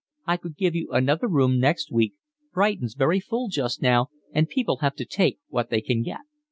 "I could give you another room next week. Brighton's very full just now, and people have to take what they can get."